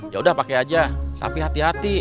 yaudah pake aja tapi hati hati